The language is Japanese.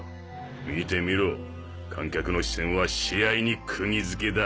見てみろ観客の視線は試合にくぎづけだ。